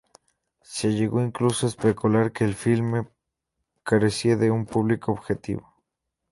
Se llegó incluso a especular que el filme carecía de un público objetivo.